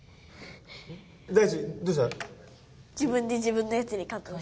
大馳どうした？